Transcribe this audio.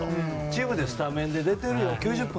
チームでスタメンで９０分出てるよと。